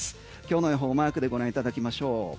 今日の予報マークでご覧いただきましょう。